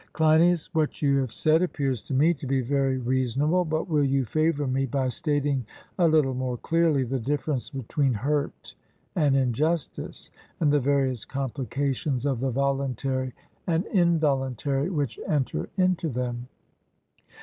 CLEINIAS: What you have said appears to me to be very reasonable, but will you favour me by stating a little more clearly the difference between hurt and injustice, and the various complications of the voluntary and involuntary which enter into them?